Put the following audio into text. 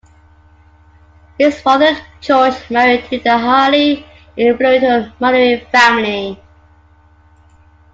His father George married into the highly influential Mallory family.